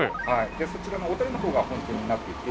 でそちらの小樽の方が本店になっていて。